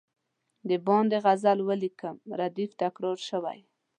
د باندي غزل ولیکم ردیف تکرار شوی.